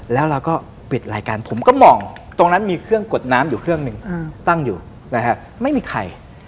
แล้วเราก็ปิดรายการผมก็มองตรงนั้นมีเครื่องกดน้ำอยู่เครื่องหนึ่งตั้งอยู่นะฮะไม่มีใคร